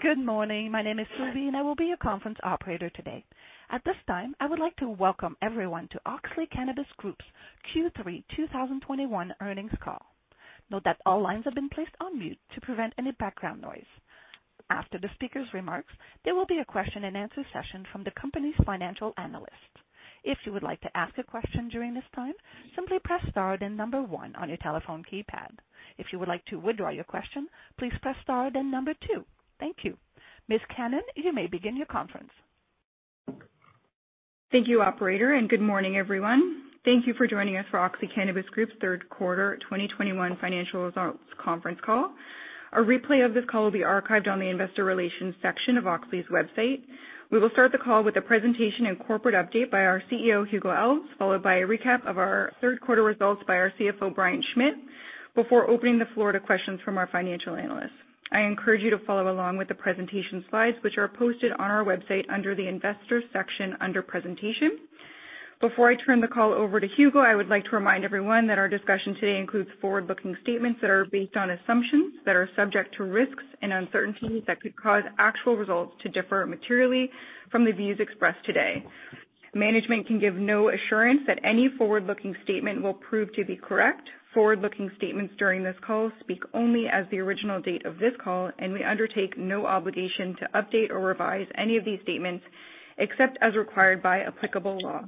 Good morning. My name is Sylvie, and I will be your conference operator today. At this time, I would like to welcome everyone to Auxly Cannabis Group's Q3 2021 earnings call. Note that all lines have been placed on mute to prevent any background noise. After the speaker's remarks, there will be a question and answer session from the company's financial analysts. If you would like to ask a question during this time, simply press star then number one on your telephone keypad. If you would like to withdraw your question, please press star then number two. Thank you. Julie Cannon, you may begin your conference. Thank you, operator, and good morning, everyone. Thank you for joining us for Auxly Cannabis Group's third quarter 2021 financial results conference call. A replay of this call will be archived on the investor relations section of Auxly's website. We will start the call with a presentation and corporate update by our CEO, Hugo Alves, followed by a recap of our third quarter results by our CFO, Brian Schmitt, before opening the floor to questions from our financial analysts. I encourage you to follow along with the presentation slides, which are posted on our website under the Investors section under Presentation. Before I turn the call over to Hugo, I would like to remind everyone that our discussion today includes forward-looking statements that are based on assumptions that are subject to risks and uncertainties that could cause actual results to differ materially from the views expressed today. Management can give no assurance that any forward-looking statement will prove to be correct. Forward-looking statements during this call speak only as the original date of this call, and we undertake no obligation to update or revise any of these statements except as required by applicable law.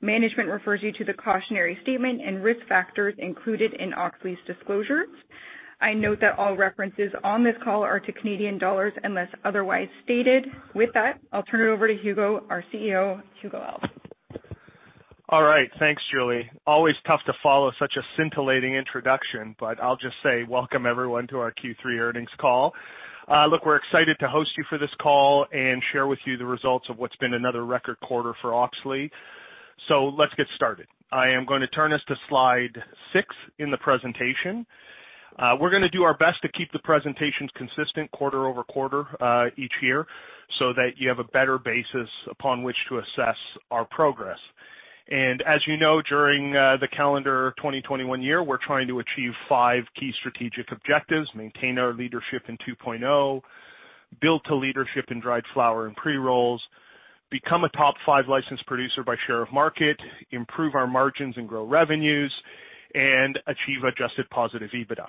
Management refers you to the cautionary statement and risk factors included in Auxly's disclosures. I note that all references on this call are to Canadian dollars unless otherwise stated. With that, I'll turn it over to Hugo, our CEO, Hugo Alves. All right. Thanks, Julie. Always tough to follow such a scintillating introduction, but I'll just say welcome everyone to our Q3 earnings call. Look, we're excited to host you for this call and share with you the results of what's been another record quarter for Auxly. Let's get started. I am going to turn us to slide six in the presentation. We're gonna do our best to keep the presentations consistent quarter over quarter each year, so that you have a better basis upon which to assess our progress. As you know, during the calendar 2021 year, we're trying to achieve five key strategic objectives, maintain our leadership in 2.0, build to leadership in dried flower and pre-rolls, become a top five licensed producer by share of market, improve our margins and grow revenues, and achieve adjusted positive EBITDA.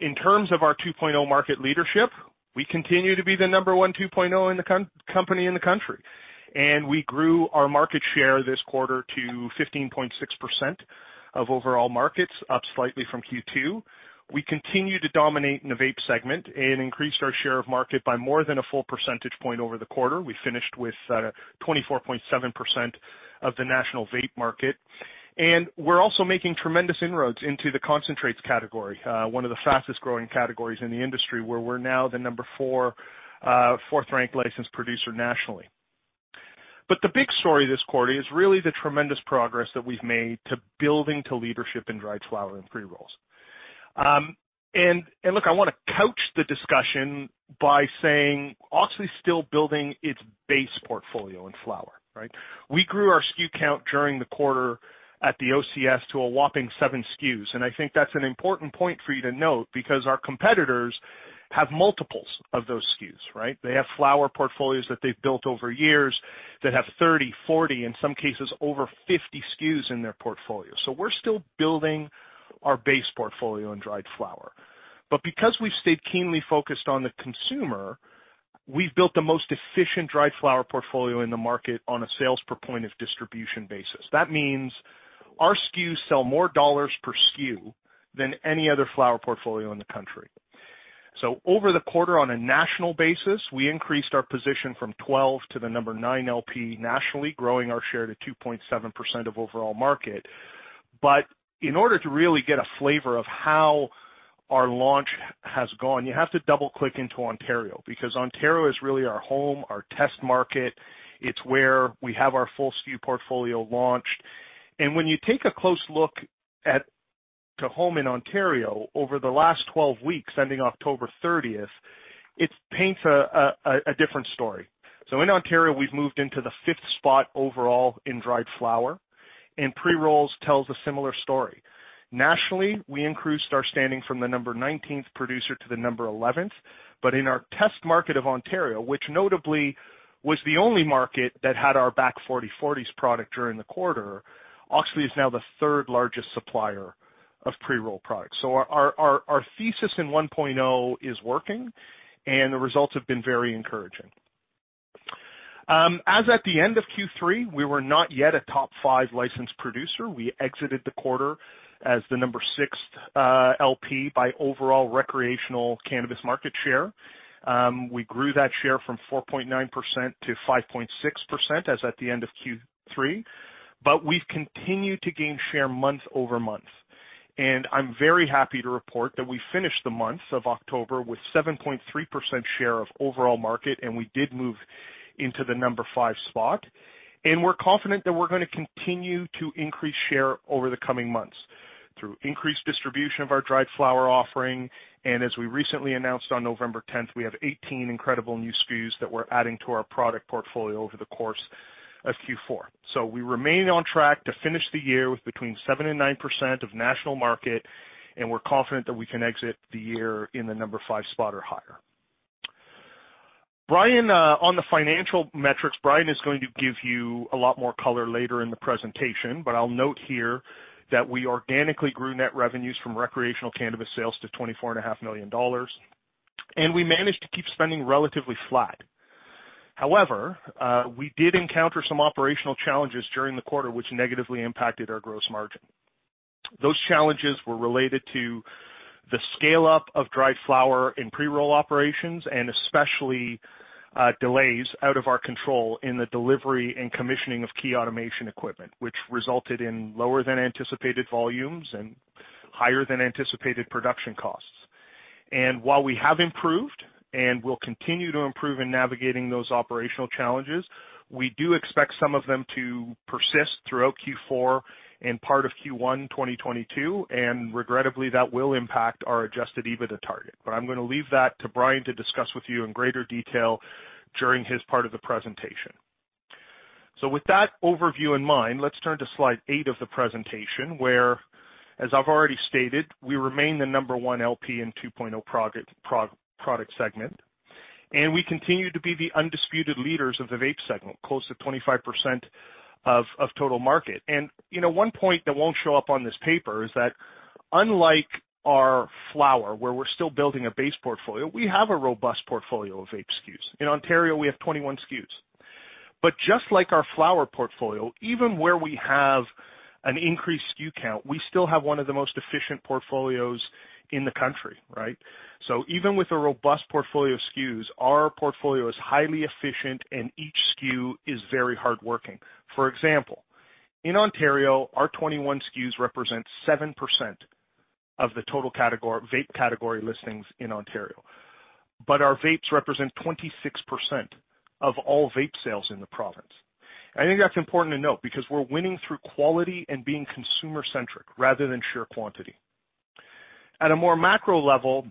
In terms of our 2.0 market leadership, we continue to be the number one 2.0 in the company in the country. We grew our market share this quarter to 15.6% of overall markets, up slightly from Q2. We continue to dominate in the vape segment and increased our share of market by more than a full percentage point over the quarter. We finished with 24.7% of the national vape market. We're also making tremendous inroads into the concentrates category, one of the fastest-growing categories in the industry, where we're now the fourth ranked licensed producer nationally. The big story this quarter is really the tremendous progress that we've made to building to leadership in dried flower and pre-rolls. Look, I wanna coach the discussion by saying Auxly's still building its base portfolio in flower, right? We grew our SKU count during the quarter at the OCS to a whopping 7 SKUs, and I think that's an important point for you to note because our competitors have multiples of those SKUs, right? They have flower portfolios that they've built over years that have 30, 40, in some cases over 50 SKUs in their portfolio. We're still building our base portfolio in dried flower. Because we've stayed keenly focused on the consumer, we've built the most efficient dried flower portfolio in the market on a sales per point of distribution basis. That means our SKUs sell more dollars per SKU than any other flower portfolio in the country. Over the quarter on a national basis, we increased our position from 12 to the number 9 LP nationally, growing our share to 2.7% of overall market. In order to really get a flavor of how our launch has gone, you have to double-click into Ontario, because Ontario is really our home, our test market. It's where we have our full SKU portfolio launched. When you take a close look at, to home in Ontario over the last 12 weeks, ending October 30, it paints a different story. In Ontario, we've moved into the 5th spot overall in dried flower, and pre-rolls tells a similar story. Nationally, we increased our standing from the number 19th producer to the number 11th. In our test market of Ontario, which notably was the only market that had our Back Forty 40s product during the quarter, Auxly is now the third largest supplier of pre-roll products. Our thesis in 1.0 is working, and the results have been very encouraging. As at the end of Q3, we were not yet a top five licensed producer. We exited the quarter as the sixth LP by overall recreational cannabis market share. We grew that share from 4.9% to 5.6% as at the end of Q3. We've continued to gain share month-over-month. I'm very happy to report that we finished the month of October with 7.3% share of overall market, and we did move into the fifth spot. We're confident that we're gonna continue to increase share over the coming months through increased distribution of our dried flower offering. As we recently announced on November 10, we have 18 incredible new SKUs that we're adding to our product portfolio over the course of Q4. We remain on track to finish the year with between 7% and 9% of national market, and we're confident that we can exit the year in the number five spot or higher. Brian, on the financial metrics, Brian is going to give you a lot more color later in the presentation, but I'll note here that we organically grew net revenues from recreational cannabis sales to 24.5 million dollars, and we managed to keep spending relatively flat. However, we did encounter some operational challenges during the quarter, which negatively impacted our gross margin. Those challenges were related to the scale up of dried flower in pre-roll operations, and especially, delays out of our control in the delivery and commissioning of key automation equipment, which resulted in lower than anticipated volumes and higher than anticipated production costs. While we have improved and will continue to improve in navigating those operational challenges, we do expect some of them to persist throughout Q4 and part of Q1, 2022. Regrettably, that will impact our Adjusted EBITDA target. I'm going to leave that to Brian to discuss with you in greater detail during his part of the presentation. With that overview in mind, let's turn to slide eight of the presentation, where, as I've already stated, we remain the number one LP in 2.0 product segment, and we continue to be the undisputed leaders of the vape segment, close to 25% of total market. You know, one point that won't show up on this paper is that unlike our flower, where we're still building a base portfolio, we have a robust portfolio of vape SKUs. In Ontario, we have 21 SKUs. Just like our flower portfolio, even where we have an increased SKU count, we still have one of the most efficient portfolios in the country, right? Even with a robust portfolio of SKUs, our portfolio is highly efficient, and each SKU is very hardworking. For example, in Ontario, our 21 SKUs represent 7% of the total category, vape category listings in Ontario. Our vapes represent 26% of all vape sales in the province. I think that's important to note because we're winning through quality and being consumer-centric rather than sheer quantity. At a more macro level,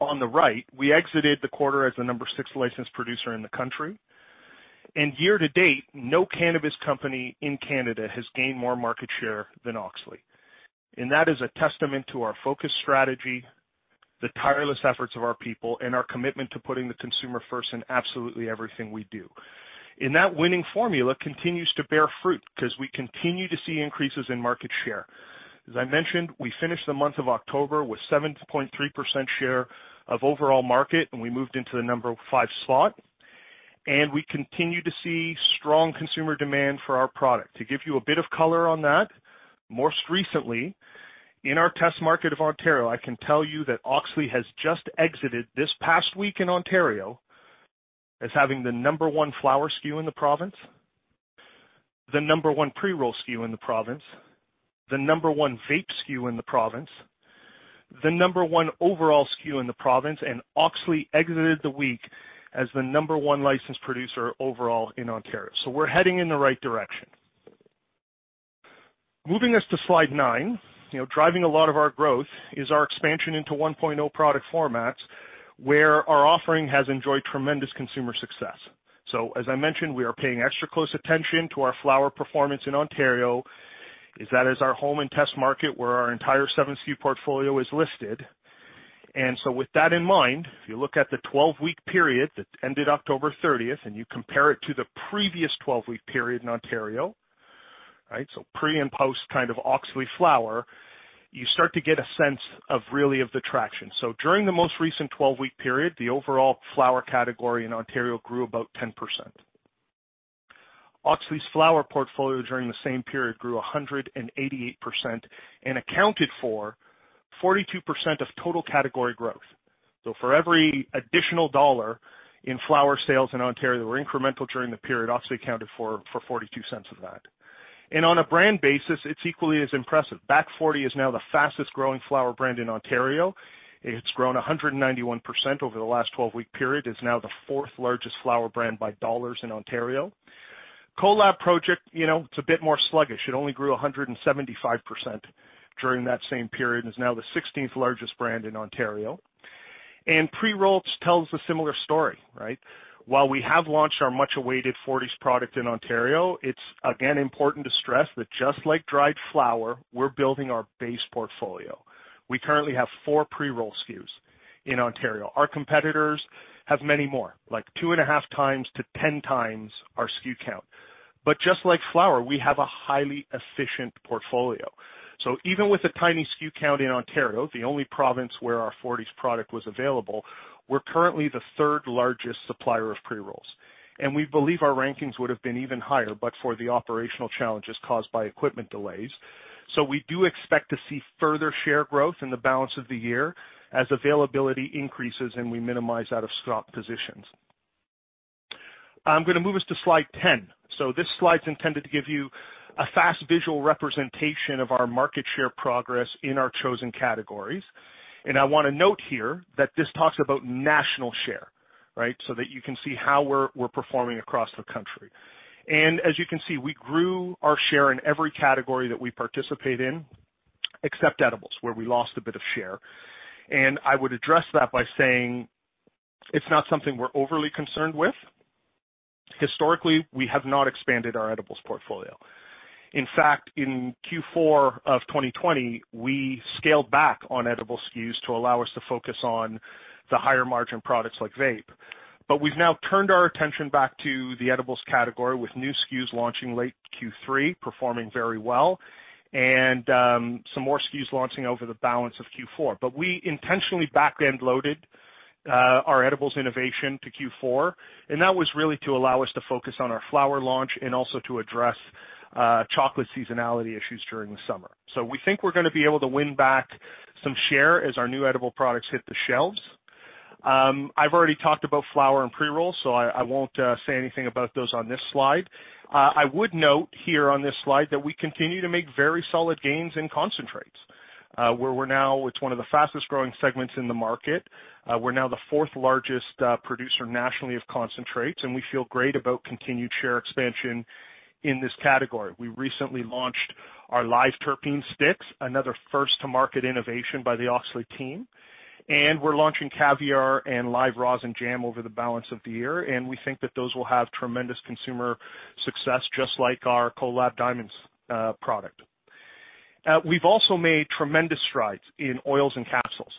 on the right, we exited the quarter as the number six licensed producer in the country. Year to date, no cannabis company in Canada has gained more market share than Auxly. That is a testament to our focused strategy, the tireless efforts of our people, and our commitment to putting the consumer first in absolutely everything we do. That winning formula continues to bear fruit because we continue to see increases in market share. As I mentioned, we finished the month of October with 7.3% share of overall market, and we moved into the number five slot, and we continue to see strong consumer demand for our product. To give you a bit of color on that, most recently in our test market of Ontario, I can tell you that Auxly has just exited this past week in Ontario as having the number one flower SKU in the province, the number one pre-roll SKU in the province, the number one vape SKU in the province, the number one overall SKU in the province, and Auxly exited the week as the number one licensed producer overall in Ontario. We're heading in the right direction. Moving us to slide nine. You know, driving a lot of our growth is our expansion into Cannabis 1.0 product formats, where our offering has enjoyed tremendous consumer success. As I mentioned, we are paying extra close attention to our flower performance in Ontario, as that is our home and test market where our entire seven SKU portfolio is listed. With that in mind, if you look at the 12-week period that ended October 30, and you compare it to the previous 12-week period in Ontario, right? Pre- and post-kind of Auxly flower, you start to get a sense really of the traction. During the most recent 12-week period, the overall flower category in Ontario grew about 10%. Auxly's flower portfolio during the same period grew 188% and accounted for 42% of total category growth. For every additional CAD 1 in flower sales in Ontario that were incremental during the period, Auxly accounted for 0.42 of that. On a brand basis, it's equally as impressive. Back Forty is now the fastest growing flower brand in Ontario. It's grown 191% over the last 12-week period. It's now the fourth largest flower brand by dollars in Ontario. Kolab Project, you know, it's a bit more sluggish. It only grew 175% during that same period and is now the 16th largest brand in Ontario. Pre-rolls tells a similar story, right? While we have launched our much awaited 40s product in Ontario, it's again important to stress that just like dried flower, we're building our base portfolio. We currently have four pre-roll SKUs in Ontario. Our competitors have many more, like 2.5x-10x our SKU count. Just like flower, we have a highly efficient portfolio. Even with a tiny SKU count in Ontario, the only province where our forties product was available, we're currently the third-largest supplier of pre-rolls, and we believe our rankings would have been even higher but for the operational challenges caused by equipment delays. We do expect to see further share growth in the balance of the year as availability increases and we minimize out of stock positions. I'm going to move us to slide 10. This slide is intended to give you a fast visual representation of our market share progress in our chosen categories. I want to note here that this talks about national share, right? That you can see how we're performing across the country. As you can see, we grew our share in every category that we participate in, except edibles, where we lost a bit of share. I would address that by saying. It's not something we're overly concerned with. Historically, we have not expanded our edibles portfolio. In fact, in Q4 of 2020, we scaled back on edibles SKUs to allow us to focus on the higher margin products like vape. We've now turned our attention back to the edibles category with new SKUs launching late Q3, performing very well, and some more SKUs launching over the balance of Q4. We intentionally back-end loaded our edibles innovation to Q4, and that was really to allow us to focus on our flower launch and also to address chocolate seasonality issues during the summer. We think we're gonna be able to win back some share as our new edible products hit the shelves. I've already talked about flower and pre-rolls, so I won't say anything about those on this slide. I would note here on this slide that we continue to make very solid gains in concentrates, where we're now with one of the fastest-growing segments in the market. We're now the fourth largest producer nationally of concentrates, and we feel great about continued share expansion in this category. We recently launched our Live Terpene Sticks, another first to market innovation by the Auxly team. We're launching Caviar and Live Rosin Jam over the balance of the year, and we think that those will have tremendous consumer success, just like our Kolab diamonds product. We've also made tremendous strides in oils and capsules.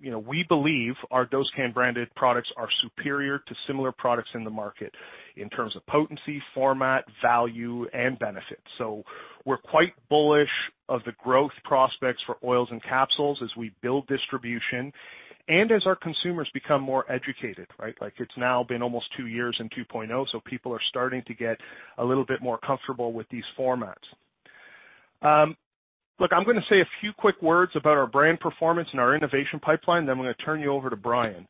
You know, we believe our Dosecann branded products are superior to similar products in the market in terms of potency, format, value, and benefit. We're quite bullish of the growth prospects for oils and capsules as we build distribution and as our consumers become more educated, right? Like, it's now been almost two years in 2.0, so people are starting to get a little bit more comfortable with these formats. Look, I'm gonna say a few quick words about our brand performance and our innovation pipeline, then I'm gonna turn you over to Brian.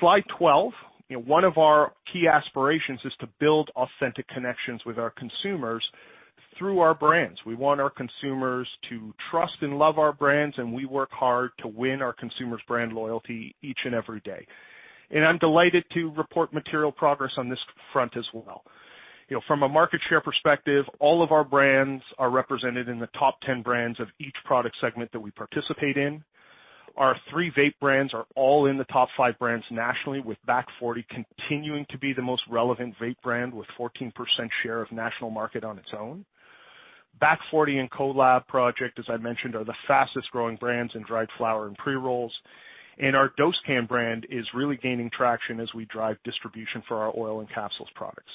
Slide 12. You know, one of our key aspirations is to build authentic connections with our consumers through our brands. We want our consumers to trust and love our brands, and we work hard to win our consumers' brand loyalty each and every day. I'm delighted to report material progress on this front as well. You know, from a market share perspective, all of our brands are represented in the top 10 brands of each product segment that we participate in. Our three vape brands are all in the top five brands nationally, with Back Forty continuing to be the most relevant vape brand with 14% share of national market on its own. Back Forty and Kolab Project, as I mentioned, are the fastest growing brands in dried flower and pre-rolls. Our Dosecann brand is really gaining traction as we drive distribution for our oil and capsules products.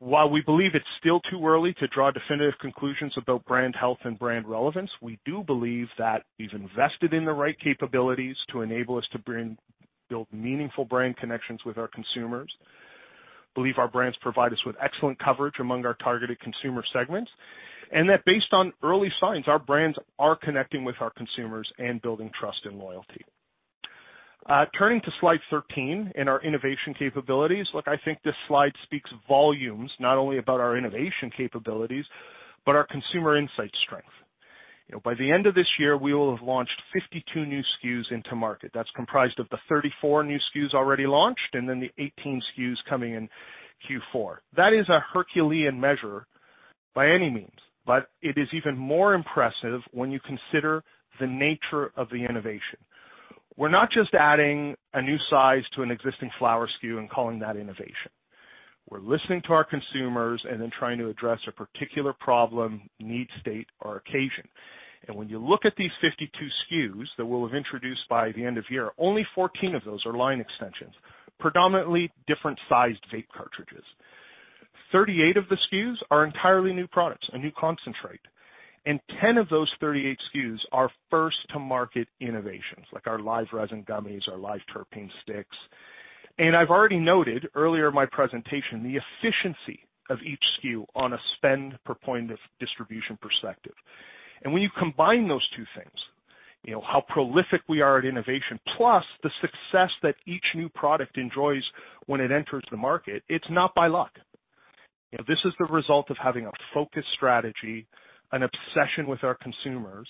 While we believe it's still too early to draw definitive conclusions about brand health and brand relevance, we do believe that we've invested in the right capabilities to enable us to build meaningful brand connections with our consumers. believe our brands provide us with excellent coverage among our targeted consumer segments, and that based on early signs, our brands are connecting with our consumers and building trust and loyalty. Turning to slide 13 in our innovation capabilities. Look, I think this slide speaks volumes not only about our innovation capabilities but our consumer insight strength. You know, by the end of this year, we will have launched 52 new SKUs into market. That's comprised of the 34 new SKUs already launched and then the 18 SKUs coming in Q4. That is a Herculean measure by any means, but it is even more impressive when you consider the nature of the innovation. We're not just adding a new size to an existing flower SKU and calling that innovation. We're listening to our consumers and then trying to address a particular problem, need, state, or occasion. When you look at these 52 SKUs that we'll have introduced by the end of year, only 14 of those are line extensions, predominantly different sized vape cartridges. Thirty-eight of the SKUs are entirely new products, a new concentrate, and 10 of those 38 SKUs are first to market innovations, like our live resin gummies, our live terpene sticks. I've already noted earlier in my presentation the efficiency of each SKU on a spend per point of distribution perspective. When you combine those two things, you know, how prolific we are at innovation plus the success that each new product enjoys when it enters the market, it's not by luck. You know, this is the result of having a focused strategy, an obsession with our consumers,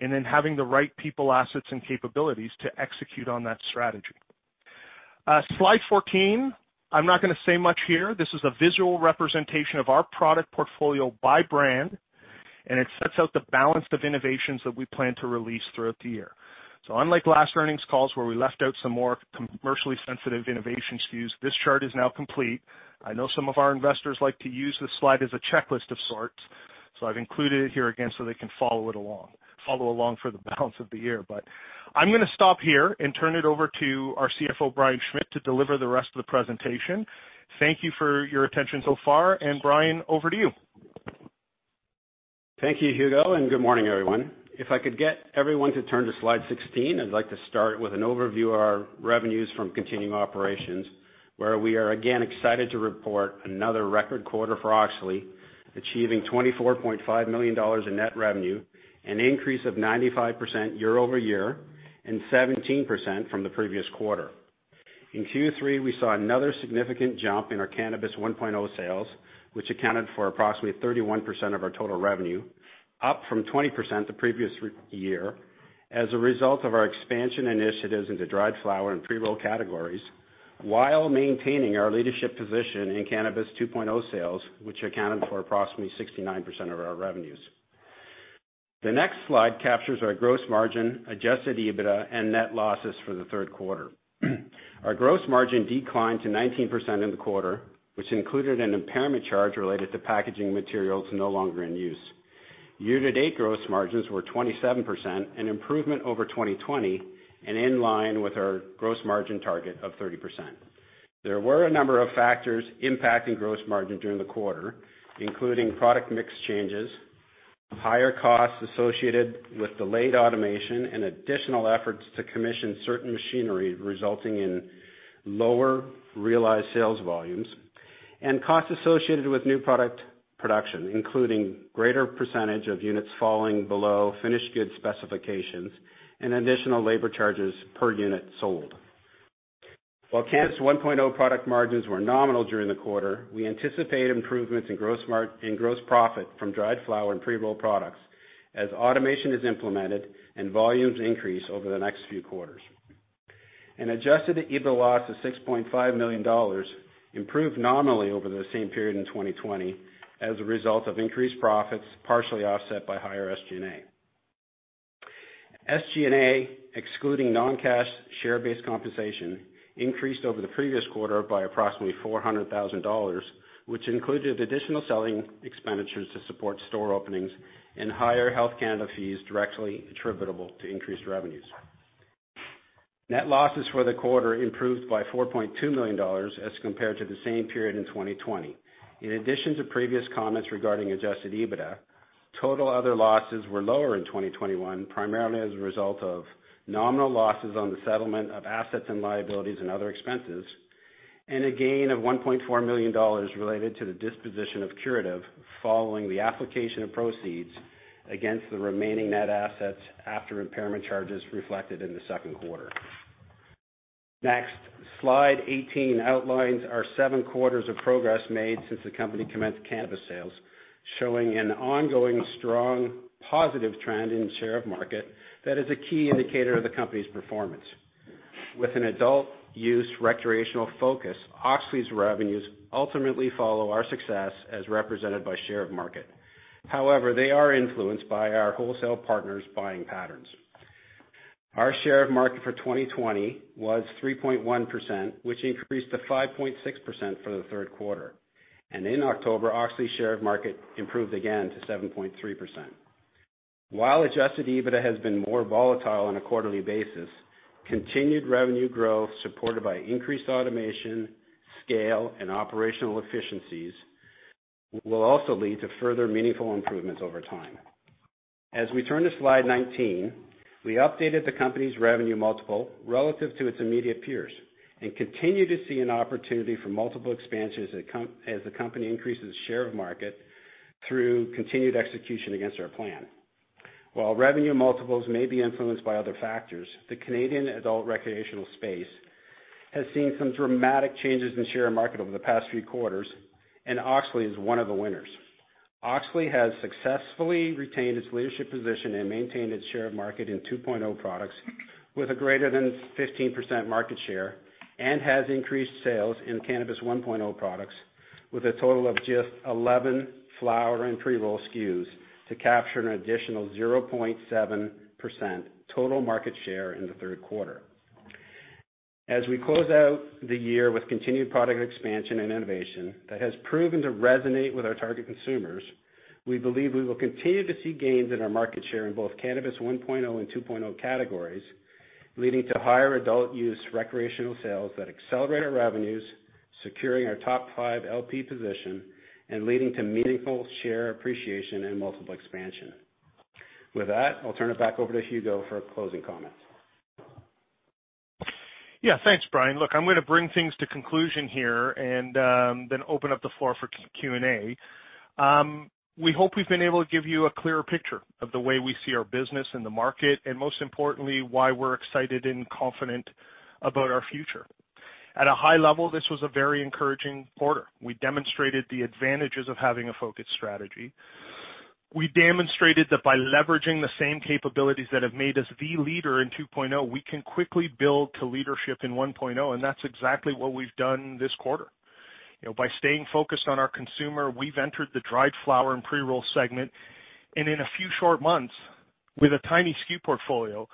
and then having the right people, assets, and capabilities to execute on that strategy. Slide 14. I'm not gonna say much here. This is a visual representation of our product portfolio by brand, and it sets out the balance of innovations that we plan to release throughout the year. Unlike last earnings calls, where we left out some more commercially sensitive innovation SKUs, this chart is now complete. I know some of our investors like to use this slide as a checklist of sorts, so I've included it here again so they can follow along for the balance of the year. I'm gonna stop here and turn it over to our CFO, Brian Schmitt, to deliver the rest of the presentation. Thank you for your attention so far. Brian, over to you. Thank you, Hugo, and good morning, everyone. If I could get everyone to turn to slide 16, I'd like to start with an overview of our revenues from continuing operations, where we are again excited to report another record quarter for Auxly, achieving 24.5 million dollars in net revenue, an increase of 95% year-over-year and 17% from the previous quarter. In Q3, we saw another significant jump in our Cannabis 1.0 sales, which accounted for approximately 31% of our total revenue, up from 20% the previous year as a result of our expansion initiatives into dried flower and pre-roll categories, while maintaining our leadership position in Cannabis 2.0 sales, which accounted for approximately 69% of our revenues. The next slide captures our gross margin, Adjusted EBITDA, and net losses for the third quarter. Our gross margin declined to 19% in the quarter, which included an impairment charge related to packaging materials no longer in use. Year-to-date gross margins were 27%, an improvement over 2020, and in line with our gross margin target of 30%. There were a number of factors impacting gross margin during the quarter, including product mix changes, higher costs associated with delayed automation and additional efforts to commission certain machinery resulting in lower realized sales volumes and costs associated with new product production, including greater percentage of units falling below finished goods specifications and additional labor charges per unit sold. While Cannabis 1.0 product margins were nominal during the quarter, we anticipate improvements in gross profit from dried flower and pre-roll products as automation is implemented and volumes increase over the next few quarters. An Adjusted EBITDA loss of 6.5 million dollars improved nominally over the same period in 2020 as a result of increased profits, partially offset by higher SG&A. SG&A, excluding non-cash share-based compensation, increased over the previous quarter by approximately 400,000 dollars, which included additional selling expenditures to support store openings and higher Health Canada fees directly attributable to increased revenues. Net losses for the quarter improved by 4.2 million dollars as compared to the same period in 2020. In addition to previous comments regarding Adjusted EBITDA, total other losses were lower in 2021, primarily as a result of nominal losses on the settlement of assets and liabilities and other expenses, and a gain of 1.4 million dollars related to the disposition of Curative following the application of proceeds against the remaining net assets after impairment charges reflected in the second quarter. Next, slide 18 outlines our seven quarters of progress made since the company commenced cannabis sales, showing an ongoing strong positive trend in share of market. That is a key indicator of the company's performance. With an adult use recreational focus, Auxly's revenues ultimately follow our success as represented by share of market. However, they are influenced by our wholesale partners' buying patterns. Our share of market for 2020 was 3.1%, which increased to 5.6% for the third quarter. In October, Auxly's share of market improved again to 7.3%. While Adjusted EBITDA has been more volatile on a quarterly basis, continued revenue growth supported by increased automation, scale, and operational efficiencies will also lead to further meaningful improvements over time. As we turn to slide 19, we updated the company's revenue multiple relative to its immediate peers and continue to see an opportunity for multiple expansions as the company increases share of market through continued execution against our plan. While revenue multiples may be influenced by other factors, the Canadian adult recreational space has seen some dramatic changes in share of market over the past few quarters, and Auxly is one of the winners. Auxly has successfully retained its leadership position and maintained its share of market in 2.0 products with a greater than 15% market share and has increased sales in Cannabis 1.0 products with a total of just 11 flower and pre-roll SKUs to capture an additional 0.7% total market share in the third quarter. We close out the year with continued product expansion and innovation that has proven to resonate with our target consumers. We believe we will continue to see gains in our market share in both Cannabis 1.0 and 2.0 categories, leading to higher adult use recreational sales that accelerate our revenues, securing our top five LP position and leading to meaningful share appreciation and multiple expansion. With that, I'll turn it back over to Hugo for closing comments. Yeah. Thanks, Brian. Look, I'm gonna bring things to conclusion here and then open up the floor for Q&A. We hope we've been able to give you a clearer picture of the way we see our business in the market, and most importantly, why we're excited and confident about our future. At a high level, this was a very encouraging quarter. We demonstrated the advantages of having a focused strategy. We demonstrated that by leveraging the same capabilities that have made us the leader in 2.0, we can quickly build to leadership in 1.0, and that's exactly what we've done this quarter. You know, by staying focused on our consumer, we've entered the dried flower and pre-roll segment, and in a few short months, with a tiny SKU portfolio,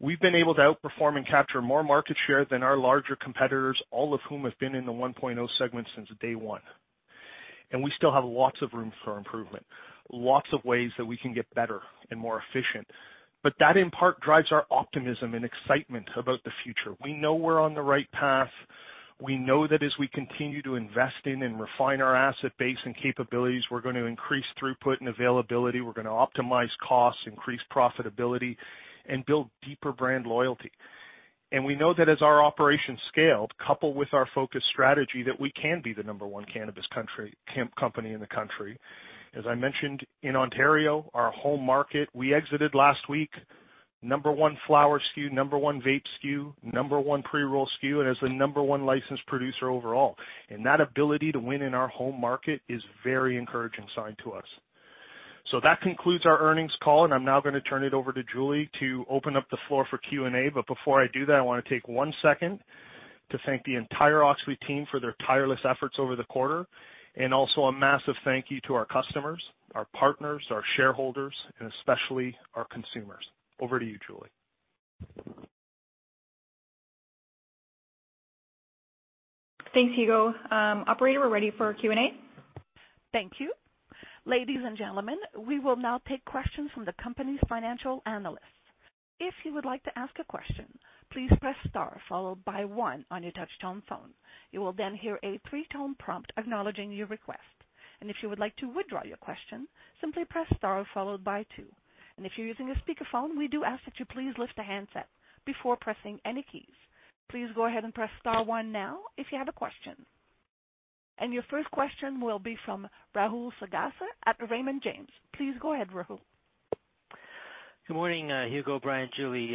we've been able to outperform and capture more market share than our larger competitors, all of whom have been in the 1.0 segment since day one. We still have lots of room for improvement, lots of ways that we can get better and more efficient. That, in part, drives our optimism and excitement about the future. We know we're on the right path. We know that as we continue to invest in and refine our asset base and capabilities, we're gonna increase throughput and availability. We're gonna optimize costs, increase profitability, and build deeper brand loyalty. We know that as our operations scale, coupled with our focused strategy, that we can be the number one cannabis company in the country. As I mentioned, in Ontario, our home market, we exited last week number one flower SKU, number one vape SKU, number one pre-roll SKU, and as the number one licensed producer overall. That ability to win in our home market is very encouraging sign to us. That concludes our earnings call, and I'm now gonna turn it over to Julie to open up the floor for Q&A. Before I do that, I wanna take one second to thank the entire Auxly team for their tireless efforts over the quarter, and also a massive thank you to our customers, our partners, our shareholders, and especially our consumers. Over to you, Julie. Thanks, Hugo. Operator, we're ready for Q&A. Thank you. Ladies and gentlemen, we will now take questions from the company's financial analysts. If you would like to ask a question, please press star followed by one on your touch-tone phone. You will then hear a three-tone prompt acknowledging your request. If you would like to withdraw your question, simply press star followed by two. If you're using a speakerphone, we do ask that you please lift the handset before pressing any keys. Please go ahead and press star one now if you have a question. Your first question will be from Rahul Sarugaser at Raymond James. Please go ahead, Rahul. Good morning, Hugo, Brian, Julie.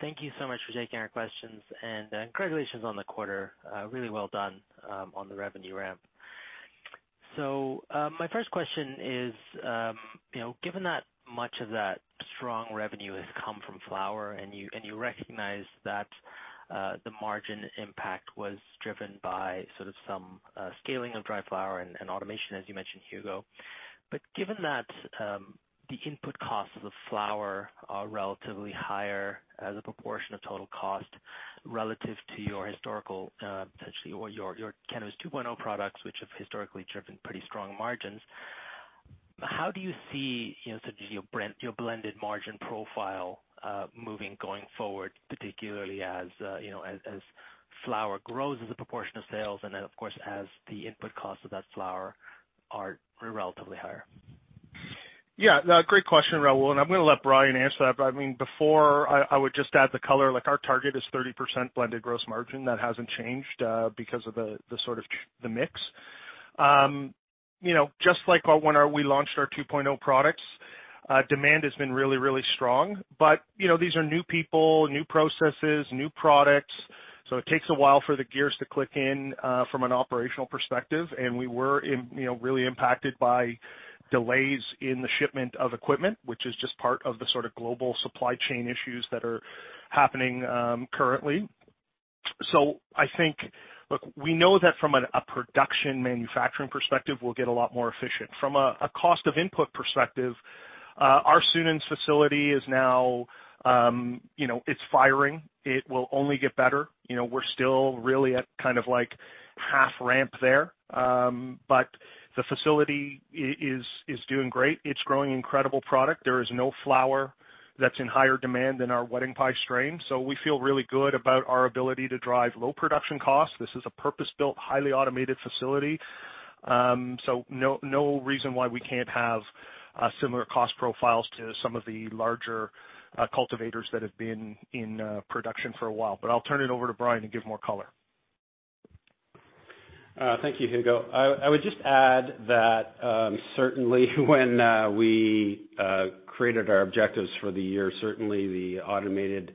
Thank you so much for taking our questions, and congratulations on the quarter. Really well done on the revenue ramp. My first question is, you know, given that much of that strong revenue has come from flower and you recognize that, the margin impact was driven by sort of some scaling of dry flower and automation, as you mentioned, Hugo. Given that, the input costs of flower are relatively higher as a proportion of total cost relative to your historical, potentially or your cannabis 2.0 products, which have historically driven pretty strong margins, how do you see, you know, sort of your blended margin profile moving going forward, particularly as, you know, flower grows as a proportion of sales and then, of course, as the input costs of that flower are relatively higher? Yeah, great question, Rahul, and I'm gonna let Brian answer that. I mean, before I would just add the color, like our target is 30% blended gross margin. That hasn't changed because of the sort of mix. You know, just like when we launched our 2.0 products, demand has been really strong. You know, these are new people, new processes, new products, so it takes a while for the gears to click in from an operational perspective. We were, you know, really impacted by delays in the shipment of equipment, which is just part of the sort of global supply chain issues that are happening currently. I think. Look, we know that from a production manufacturing perspective, we'll get a lot more efficient. From a cost of input perspective, our Sunens facility is now, you know, it's firing. It will only get better. You know, we're still really at kind of like half ramp there. But the facility is doing great. It's growing incredible product. There is no flower that's in higher demand than our Wedding Pie strain. So we feel really good about our ability to drive low production costs. This is a purpose-built, highly automated facility. So no reason why we can't have similar cost profiles to some of the larger cultivators that have been in production for a while. I'll turn it over to Brian to give more color. Thank you, Hugo. I would just add that certainly when we created our objectives for the year, certainly the automated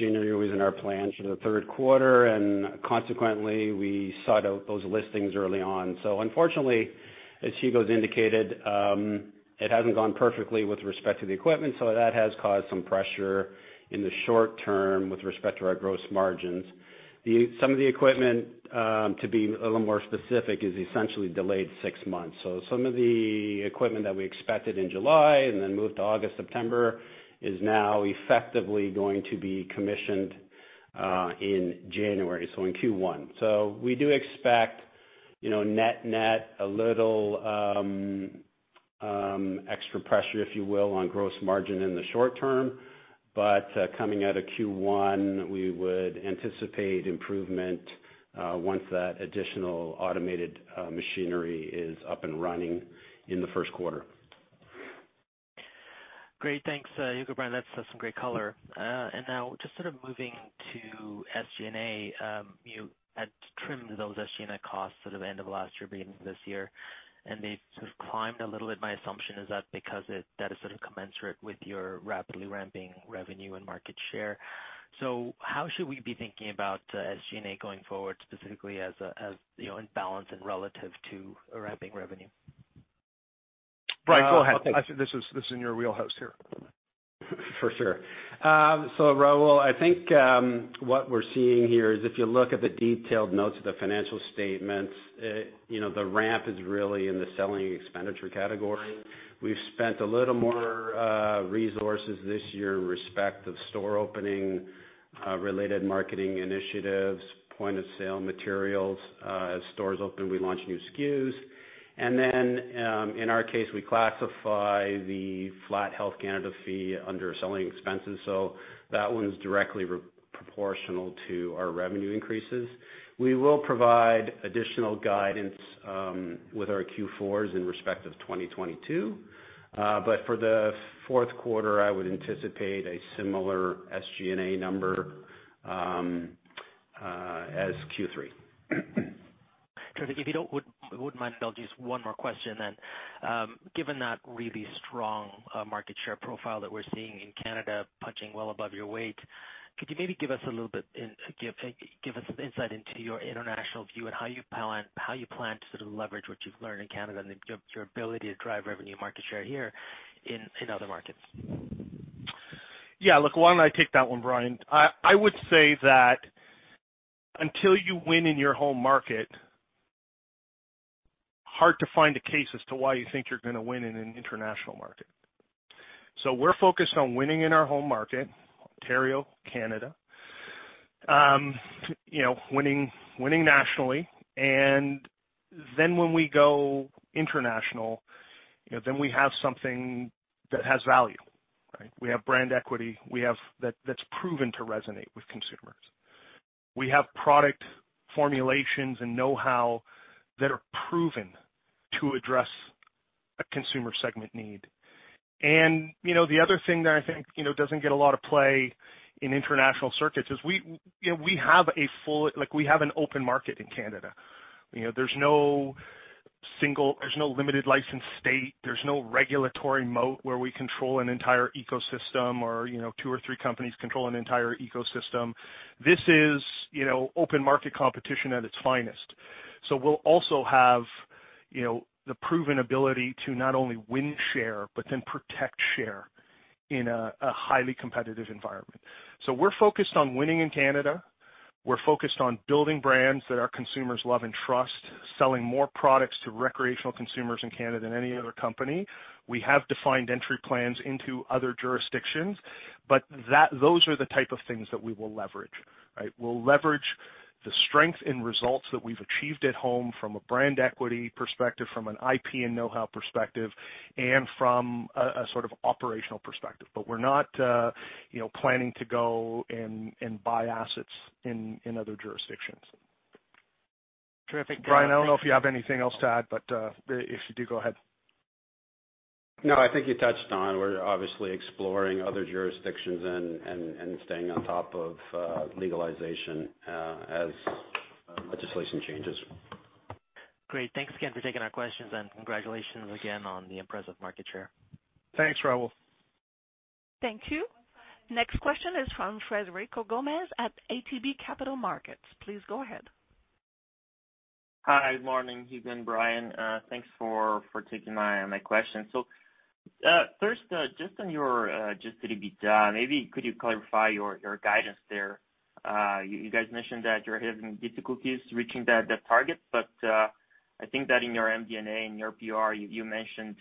machinery was in our plans for the third quarter, and consequently we sought out those listings early on. Unfortunately, as Hugo's indicated, it hasn't gone perfectly with respect to the equipment, so that has caused some pressure in the short term with respect to our gross margins. Some of the equipment, to be a little more specific, is essentially delayed six months. Some of the equipment that we expected in July and then moved to August, September is now effectively going to be commissioned in January, so in Q1. We do expect, you know, net net, a little extra pressure, if you will, on gross margin in the short term. Coming out of Q1, we would anticipate improvement once that additional automated machinery is up and running in the first quarter. Great. Thanks, Hugo, Brian, that's some great color. Now just sort of moving to SG&A, you had trimmed those SG&A costs sort of end of last year, beginning of this year, and they've sort of climbed a little bit. My assumption is that because that is sort of commensurate with your rapidly ramping revenue and market share. How should we be thinking about SG&A going forward, specifically as you know, in balance and relative to a ramping revenue? Brian, go ahead. Oh, okay. This is in your wheelhouse here. For sure. Rahul, I think what we're seeing here is if you look at the detailed notes of the financial statements, you know, the ramp is really in the selling expenditure category. We've spent a little more resources this year in respect of store opening related marketing initiatives, point-of-sale materials. As stores open, we launch new SKUs. Then, in our case, we classify the flat Health Canada fee under selling expenses, so that one's directly proportional to our revenue increases. We will provide additional guidance with our Q4s in respect of 2022. For the fourth quarter, I would anticipate a similar SG&A number as Q3. Terrific. If you wouldn't mind, I'll just ask one more question then. Given that really strong market share profile that we're seeing in Canada punching well above your weight, could you maybe give us some insight into your international view and how you plan to sort of leverage what you've learned in Canada and your ability to drive revenue market share here in other markets? Yeah. Look, why don't I take that one, Brian. I would say that until you win in your home market, it's hard to find a case as to why you think you're gonna win in an international market. We're focused on winning in our home market, Ontario, Canada, you know, winning nationally. When we go international, you know, then we have something that has value, right? We have brand equity, we have that that's proven to resonate with consumers. We have product formulations and know-how that are proven to address a consumer segment need. You know, the other thing that I think you know doesn't get a lot of play in international circuits is we you know we have a full like we have an open market in Canada. You know, there's no limited licensed state. There's no regulatory moat where we control an entire ecosystem or, you know, two or three companies control an entire ecosystem. This is, you know, open market competition at its finest. We'll also have, you know, the proven ability to not only win share, but then protect share in a highly competitive environment. We're focused on winning in Canada. We're focused on building brands that our consumers love and trust, selling more products to recreational consumers in Canada than any other company. We have defined entry plans into other jurisdictions, but those are the type of things that we will leverage, right? We'll leverage the strength in results that we've achieved at home from a brand equity perspective, from an IP and know-how perspective, and from a sort of operational perspective. We're not, you know, planning to go and buy assets in other jurisdictions. Terrific. Brian, I don't know if you have anything else to add, but if you do, go ahead. No, I think you touched on, we're obviously exploring other jurisdictions and staying on top of legalization as legislation changes. Great. Thanks again for taking our questions, and congratulations again on the impressive market share. Thanks, Rahul. Thank you. Next question is from Frederico Gomes at ATB Capital Markets. Please go ahead. Hi, good morning, Hugo and Brian. Thanks for taking my question. So, first, just on your Adjusted EBITDA, maybe could you clarify your guidance there? You guys mentioned that you're having difficulties reaching that target, but I think that in your MD&A, in your PR, you mentioned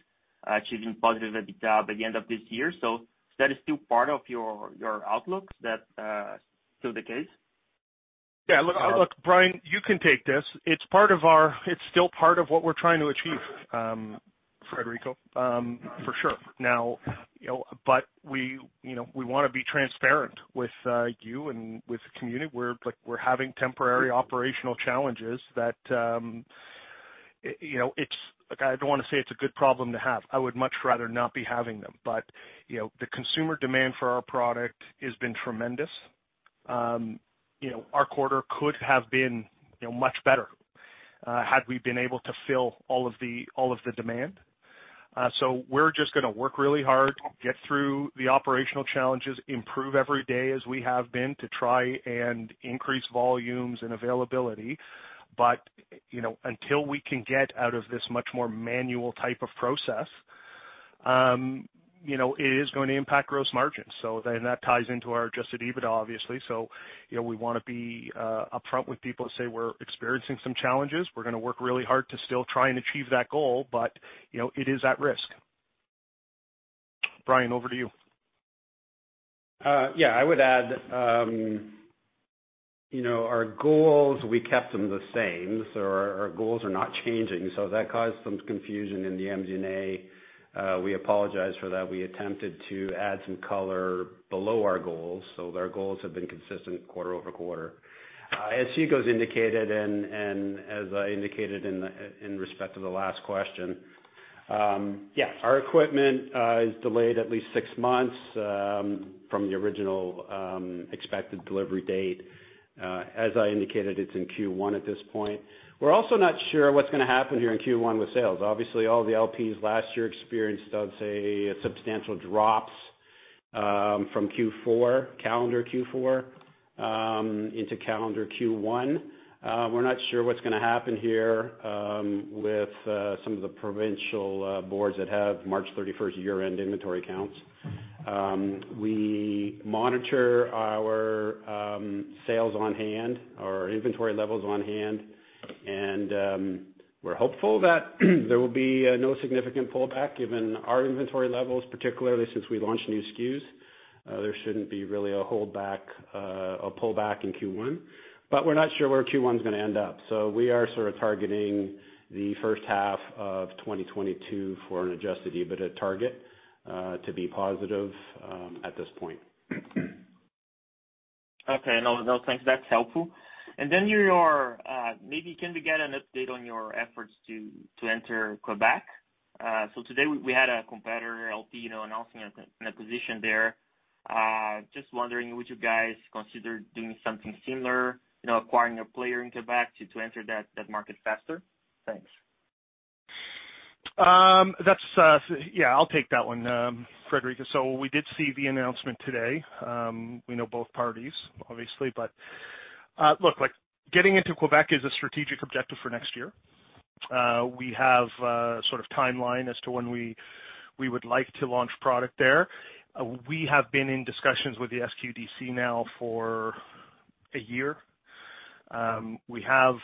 achieving +EBITDA by the end of this year. So is that still part of your outlook? Is that still the case? Yeah. Look, Brian, you can take this. It's still part of what we're trying to achieve, Frederico, for sure. Now, you know, we wanna be transparent with you and with the community. We're, like, having temporary operational challenges. Look, I don't wanna say it's a good problem to have. I would much rather not be having them. You know, the consumer demand for our product has been tremendous. You know, our quarter could have been much better had we been able to fill all of the demand. We're just gonna work really hard, get through the operational challenges, improve every day as we have been to try and increase volumes and availability. You know, until we can get out of this much more manual type of process, you know, it is going to impact gross margins. That ties into our Adjusted EBITDA, obviously. You know, we wanna be upfront with people to say we're experiencing some challenges. We're gonna work really hard to still try and achieve that goal, but, you know, it is at risk. Brian, over to you. Yeah, I would add, you know, our goals, we kept them the same. Our goals are not changing. That caused some confusion in the MD&A. We apologize for that. We attempted to add some color below our goals. Our goals have been consistent quarter-over-quarter. As Hugo has indicated and as I indicated in respect to the last question, yes, our equipment is delayed at least six months from the original expected delivery date. As I indicated, it's in Q1 at this point. We're also not sure what's gonna happen here in Q1 with sales. Obviously, all the LPs last year experienced, I would say, substantial drops from Q4, calendar Q4 into calendar Q1. We're not sure what's gonna happen here, with some of the provincial boards that have March 31st year-end inventory counts. We monitor our sales on hand, our inventory levels on hand, and we're hopeful that there will be no significant pullback given our inventory levels, particularly since we launched new SKUs. There shouldn't be really a holdback, a pullback in Q1, but we're not sure where Q1 is gonna end up. We are sort of targeting the first half of 2022 for an Adjusted EBITDA target to be positive at this point. Okay. No, no, thanks. That's helpful. Your maybe can we get an update on your efforts to enter Québec? Today we had a competitor, LP, announcing an acquisition there. Just wondering, would you guys consider doing something similar, acquiring a player in Québec to enter that market faster? Thanks. Yeah, I'll take that one, Frederico. We did see the announcement today. We know both parties obviously, but look, like getting into Quebec is a strategic objective for next year. We have a sort of timeline as to when we would like to launch product there. We have been in discussions with the SQDC now for a year. We have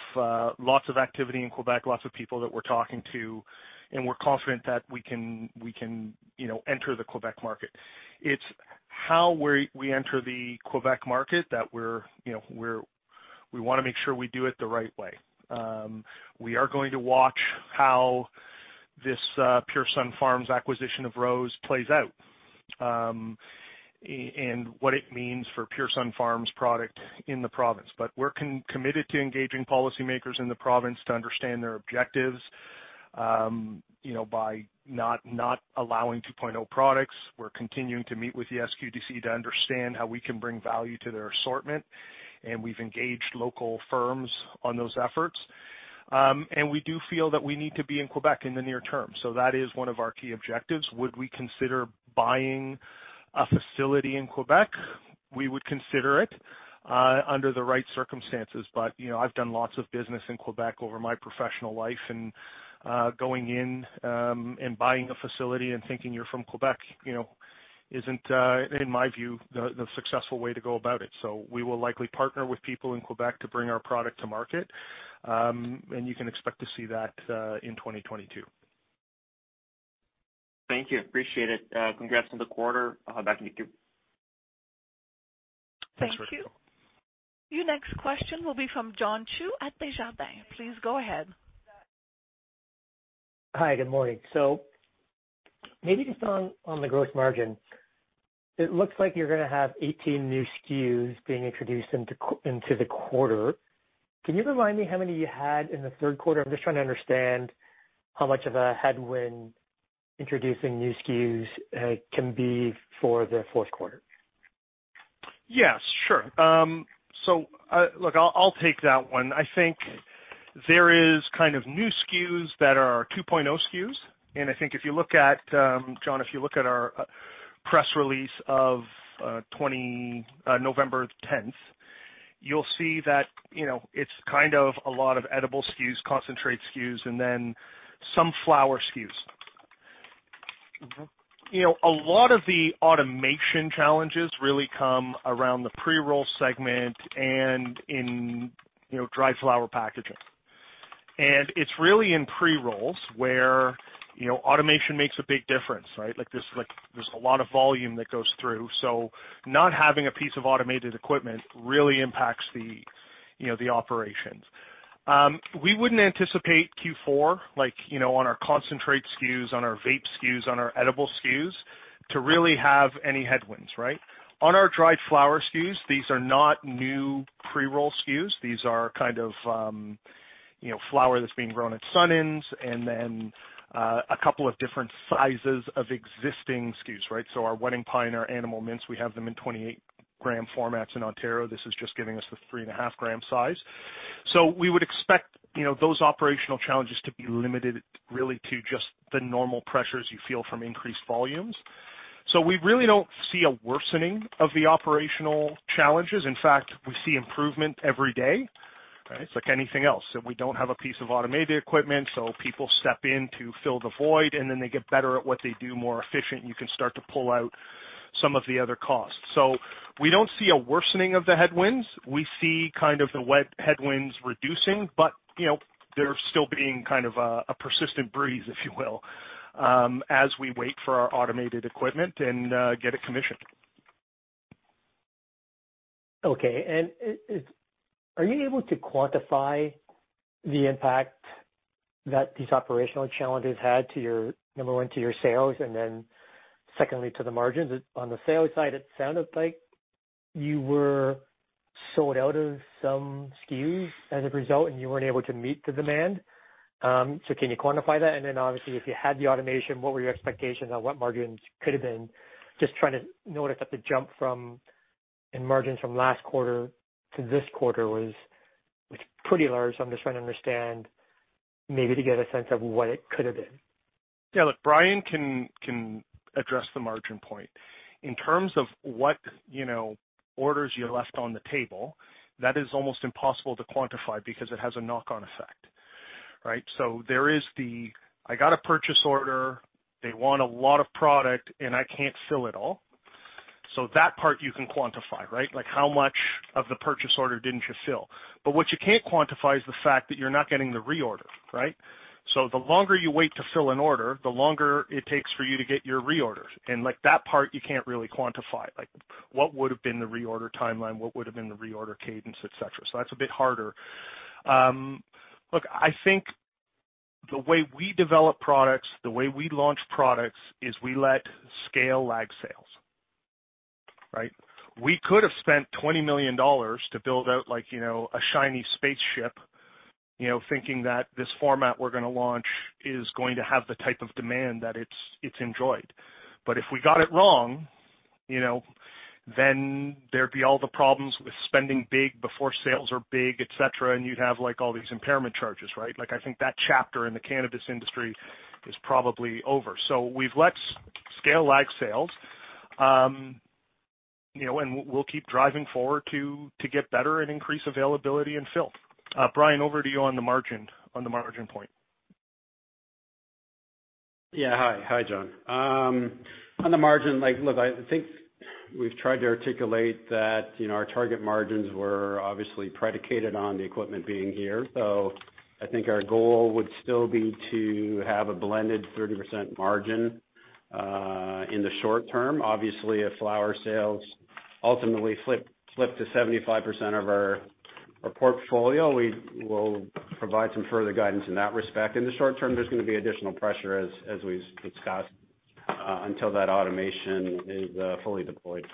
lots of activity in Quebec, lots of people that we're talking to, and we're confident that we can, you know, enter the Quebec market. It's how we enter the Quebec market that we're, you know, we wanna make sure we do it the right way. We are going to watch how this Pure Sunfarms acquisition of ROSE plays out, and what it means for Pure Sunfarms product in the province. We're committed to engaging policymakers in the province to understand their objectives, you know, by not allowing 2.0 products. We're continuing to meet with the SQDC to understand how we can bring value to their assortment, and we've engaged local firms on those efforts. We do feel that we need to be in Quebec in the near term. That is one of our key objectives. Would we consider buying a facility in Quebec? We would consider it under the right circumstances. You know, I've done lots of business in Quebec over my professional life and going in and buying a facility and thinking you're from Quebec, you know, isn't in my view the successful way to go about it. We will likely partner with people in Québec to bring our product to market, and you can expect to see that in 2022. Thank you. Appreciate it. Congrats on the quarter. I'll hand it back to you. Thanks. Thank you. Your next question will be from John Chu at Desjardins. Please go ahead. Good morning. Maybe just on the gross margin, it looks like you're gonna have 18 new SKUs being introduced into the quarter. Can you remind me how many you had in the third quarter? I'm just trying to understand how much of a headwind introducing new SKUs can be for the fourth quarter. Yes, sure. Look, I'll take that one. I think there is kind of new SKUs that are our 2.0 SKUs. I think if you look at, John, our press release of November tenth, you'll see that, you know, it's kind of a lot of edible SKUs, concentrate SKUs, and then some flower SKUs. Mm-hmm. You know, a lot of the automation challenges really come around the pre-roll segment and in, you know, dried flower packaging. It's really in pre-rolls where, you know, automation makes a big difference, right? Like, there's a lot of volume that goes through, so not having a piece of automated equipment really impacts the operations. We wouldn't anticipate Q4, like, you know, on our concentrate SKUs, on our vape SKUs, on our edible SKUs, to really have any headwinds, right? On our dried flower SKUs, these are not new pre-roll SKUs. These are kind of, you know, flower that's being grown at Sunens and then a couple of different sizes of existing SKUs, right? Our Wedding Pie and our Animal Mints, we have them in 28-gram formats in Ontario. This is just giving us the 3.5-gram size. We would expect, you know, those operational challenges to be limited really to just the normal pressures you feel from increased volumes. We really don't see a worsening of the operational challenges. In fact, we see improvement every day, right? It's like anything else. If we don't have a piece of automated equipment, so people step in to fill the void, and then they get better at what they do, more efficient, you can start to pull out some of the other costs. We don't see a worsening of the headwinds. We see kind of the headwinds reducing, but you know, they're still being kind of a persistent breeze, if you will, as we wait for our automated equipment and get it commissioned. Okay. Are you able to quantify the impact that these operational challenges had on your, number one, to your sales, and then secondly, to the margins? On the sales side, it sounded like you were sold out of some SKUs as a result, and you weren't able to meet the demand. Can you quantify that? Then obviously, if you had the automation, what were your expectations on what margins could have been? Just trying to notice that the jump in margins from last quarter to this quarter was pretty large. I'm just trying to understand maybe to get a sense of what it could have been. Yeah. Look, Brian can address the margin point. In terms of what, you know, orders you left on the table, that is almost impossible to quantify because it has a knock-on effect, right? I got a purchase order, they want a lot of product, and I can't fill it all. That part you can quantify, right? Like, how much of the purchase order didn't you fill? What you can't quantify is the fact that you're not getting the reorder, right? The longer you wait to fill an order, the longer it takes for you to get your reorders. Like, that part, you can't really quantify, like what would've been the reorder timeline, what would've been the reorder cadence, et cetera. That's a bit harder. Look, I think the way we develop products, the way we launch products is we let scale lag sales, right? We could have spent 20 million dollars to build out like, you know, a shiny spaceship, you know, thinking that this format we're gonna launch is going to have the type of demand that it's enjoyed. But if we got it wrong, you know, then there'd be all the problems with spending big before sales are big, et cetera, and you'd have, like, all these impairment charges, right? Like, I think that chapter in the cannabis industry is probably over. We've let scale lag sales. You know, we'll keep driving forward to get better and increase availability and fill. Brian, over to you on the margin point. Yeah. Hi. Hi, John. On the margin, like, look, I think we've tried to articulate that, you know, our target margins were obviously predicated on the equipment being here. I think our goal would still be to have a blended 30% margin in the short term. Obviously, if flower sales ultimately flip to 75% of our portfolio, we will provide some further guidance in that respect. In the short term, there's gonna be additional pressure as we've discussed until that automation is fully deployed.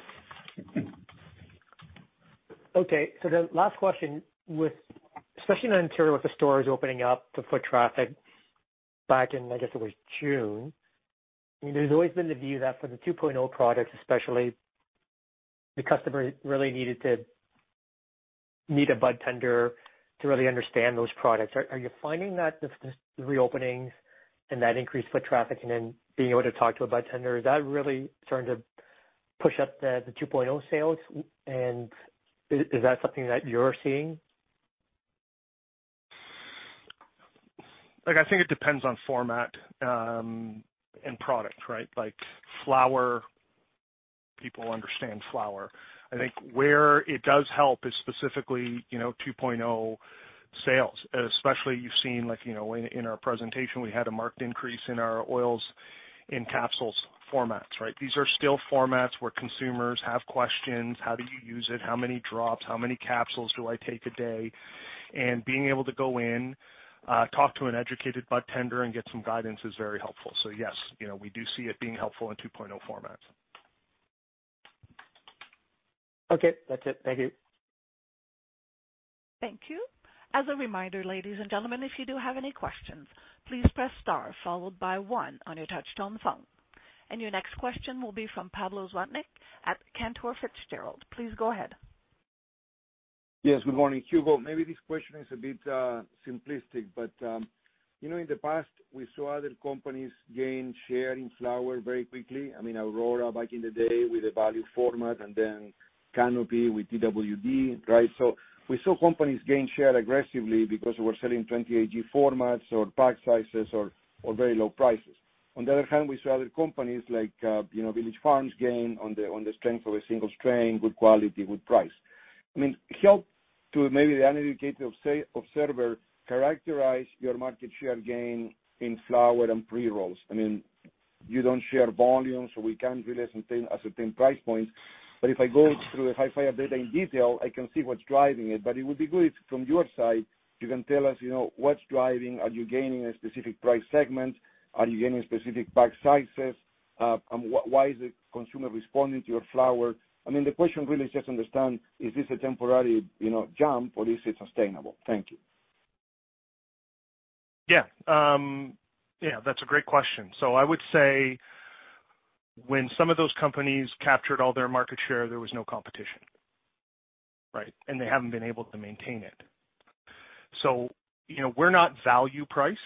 Okay. The last question with, especially in Ontario, with the stores opening up the foot traffic back in, I guess it was June. I mean, there's always been the view that for the 2.0 products, especially the customer really needed a budtender to really understand those products. Are you finding that the reopenings and that increased foot traffic and then being able to talk to a budtender, is that really starting to push up the 2.0 sales and is that something that you're seeing? Like, I think it depends on format, and product, right? Like, flower, people understand flower. I think where it does help is specifically, you know, 2.0 sales, especially you've seen, like, you know, in our presentation we had a marked increase in our oils and capsules formats, right? These are still formats where consumers have questions, how do you use it? How many drops, how many capsules do I take a day? Being able to go in, talk to an educated budtender and get some guidance is very helpful. Yes, you know, we do see it being helpful in 2.0 formats. Okay. That's it. Thank you. Thank you. As a reminder, ladies and gentlemen, if you do have any questions, please press star followed by one on your touchtone phone. Your next question will be from Pablo Zuanic at Cantor Fitzgerald. Please go ahead. Yes. Good morning. Hugo, maybe this question is a bit simplistic, but you know, in the past we saw other companies gain share in flower very quickly. I mean, Aurora back in the day with a value format and then Canopy with Twd, right? We saw companies gain share aggressively because we're selling 28 g formats or pack sizes or very low prices. On the other hand, we saw other companies like Village Farms gain on the strength of a single strain, good quality, good price. I mean, help the uneducated observer characterize your market share gain in flower and pre-rolls. I mean, you don't share volume, so we can't really ascertain price points. But if I go through the Hifyre data in detail, I can see what's driving it. It would be good from your side, you know, what's driving. Are you gaining a specific price segment? Are you gaining specific pack sizes? and why is the consumer responding to your flower? I mean, the question really is just understand, is this a temporary, you know, jump, or is it sustainable? Thank you. Yeah, that's a great question. I would say when some of those companies captured all their market share, there was no competition, right? They haven't been able to maintain it. You know, we're not value priced.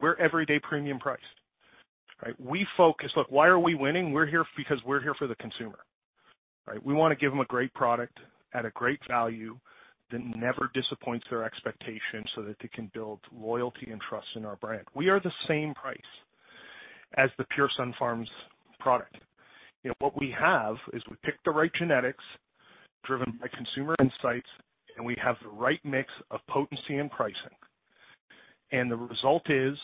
We're everyday premium priced, right? Look, why are we winning? We're here because we're here for the consumer, right? We wanna give them a great product at a great value that never disappoints their expectations, so that they can build loyalty and trust in our brand. We are the same price as the Pure Sunfarms product. You know, what we have is we pick the right genetics driven by consumer insights, and we have the right mix of potency and pricing. The result is,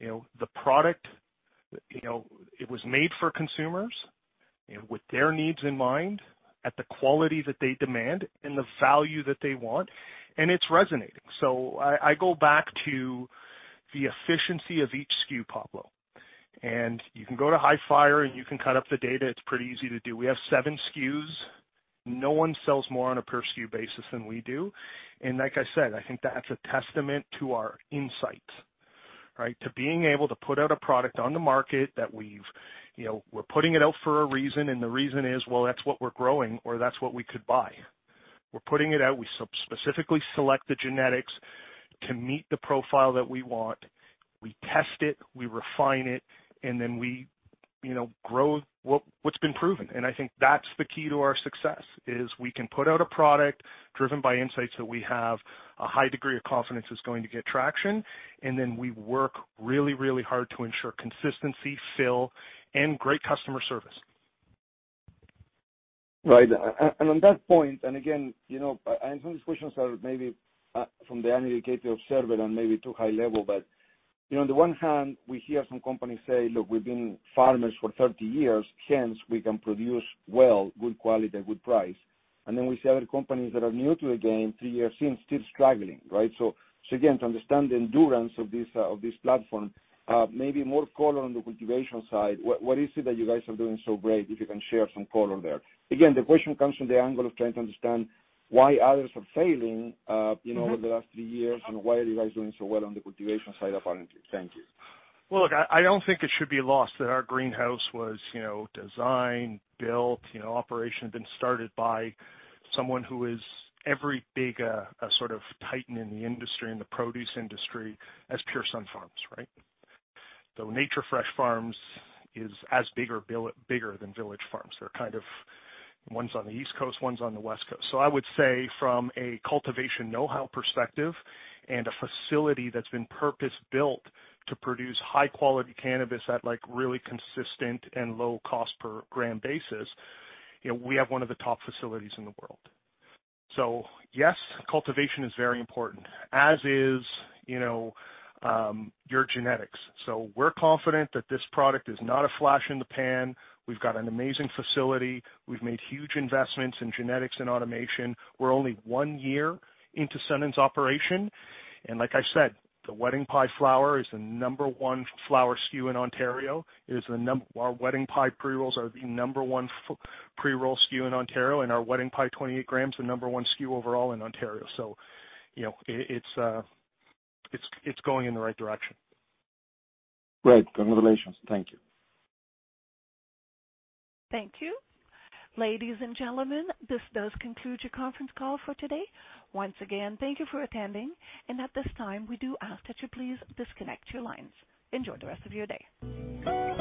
you know, the product, you know, it was made for consumers, you know, with their needs in mind, at the quality that they demand and the value that they want, and it's resonating. I go back to the efficiency of each SKU, Pablo. You can go to Hifyre and you can cut up the data. It's pretty easy to do. We have seven SKUs. No one sells more on a per SKU basis than we do. Like I said, I think that's a testament to our insight, right? To being able to put out a product on the market that we've you know, we're putting it out for a reason, and the reason is, well, that's what we're growing or that's what we could buy. We're putting it out. We specifically select the genetics to meet the profile that we want. We test it, we refine it, and then we, you know, grow what's been proven. I think that's the key to our success, is we can put out a product driven by insights that we have a high degree of confidence is going to get traction, and then we work really, really hard to ensure consistency, fill, and great customer service. Right. On that point, again, you know, and some of these questions are maybe from the uneducated observer and maybe too high level. You know, on the one hand we hear some companies say, look, we've been farmers for 30 years, hence we can produce well, good quality, good price. Then we see other companies that are new to the game three years in, still struggling, right? Again, to understand the endurance of this platform, maybe more color on the cultivation side. What is it that you guys are doing so great, if you can share some color there? Again, the question comes from the angle of trying to understand why others are failing, you know, over the last three years, and why are you guys doing so well on the cultivation side, apparently. Thank you. Well, look, I don't think it should be lost that our greenhouse was, you know, designed, built, you know, operation had been started by someone who is every bit a titan in the industry, in the produce industry as Pure Sunfarms, right? Nature Fresh Farms is as big or bigger than Village Farms. They're kind of, one's on the East Coast, one's on the West Coast. I would say from a cultivation know-how perspective and a facility that's been purpose-built to produce high quality cannabis at, like, really consistent and low cost per gram basis, you know, we have one of the top facilities in the world. Yes, cultivation is very important, as is, you know, your genetics. We're confident that this product is not a flash in the pan. We've got an amazing facility. We've made huge investments in genetics and automation. We're only one year into Sunens operation. Like I said, the Wedding Pie flower is the number one flower SKU in Ontario. Our Wedding Pie pre-rolls are the number one pre-roll SKU in Ontario, and our Wedding Pie 28-gram is the number one SKU overall in Ontario. You know, it's going in the right direction. Great. Congratulations. Thank you. Thank you. Ladies and gentlemen, this does conclude your conference call for today. Once again, thank you for attending. At this time, we do ask that you please disconnect your lines. Enjoy the rest of your day.